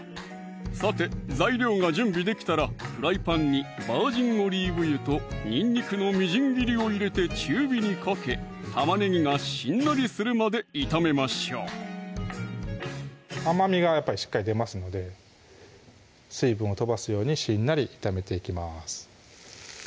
さて材料が準備できたらフライパンにバージンオリーブ油とにんにくのみじん切りを入れて中火にかけ玉ねぎがしんなりするまで炒めましょう甘みがやっぱりしっかり出ますので水分を飛ばすようにしんなり炒めていきます